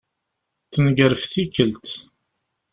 Tenger ɣef tikelt.